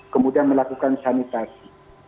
kemudian melakukan sanitasi